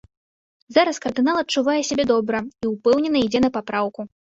Зараз кардынал адчувае сябе добра і ўпэўнена ідзе на папраўку.